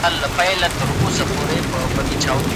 هغه د زده کوونکو مرسته غوښتله.